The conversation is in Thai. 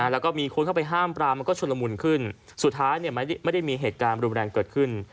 แล้วก็มีคนเข้าไปห้ามปรามมันก็ชุดละมุนขึ้นสุดท้ายไม่ได้มีเหตุการณ์รุนแรงเกิดขึ้น